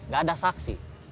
gak ada saksi